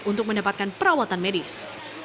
untuk mendapatkan perawatan medis